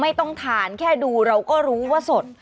ไม่ต้องทานแค่ดูเราก็รู้ว่าสด